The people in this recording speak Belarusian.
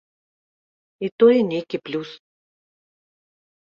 І тое нейкі плюс.